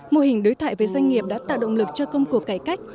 mô hình đối thoại với doanh nghiệp đã tạo động lực cho công cuộc cải cách